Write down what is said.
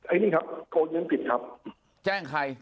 ไอ้นี่ครับโทรเงินผิดครับ